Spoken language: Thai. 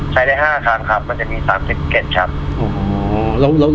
ใช้ได้ห้าครั้งครับมันจะมีสามสิบเกร็ดครับอ๋อแล้วแล้ว